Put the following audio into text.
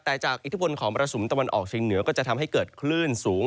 แต่จากอิทธิพลของมรสุมตะวันออกเชียงเหนือก็จะทำให้เกิดคลื่นสูง